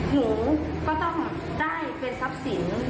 หนูก็ต้องได้เป็นทัพสินหรือของชาย